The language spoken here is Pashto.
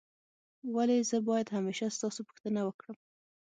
ولي زه باید همېشه ستاسو پوښتنه وکړم؟